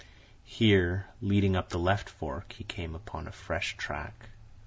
Here, leading up the left fork, he came upon a fresh track.